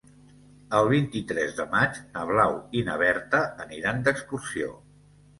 El vint-i-tres de maig na Blau i na Berta aniran d'excursió.